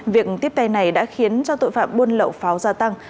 việc tiếp tay này đã khiến cho tội phạm buôn lậu pháo gia tăng